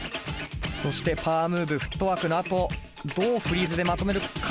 そしてパワームーブフットワークのあとどうフリーズでまとめるか？